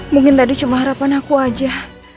mungkin tadi cuma harapan aku aja